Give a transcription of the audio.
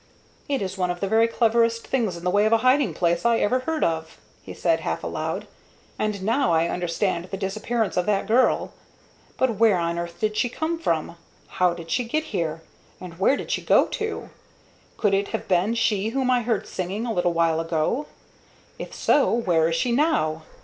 "It is one of the very cleverest things in the way of a hiding place I ever heard of," he said, half aloud; "and now I understand the disappearance of that girl. But where on earth did she come from? How did she get here? and where did she go to? Could it have been she whom I heard singing a little while ago? If so, where is she now?